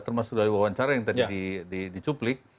termasuk dari wawancara yang tadi dicuplik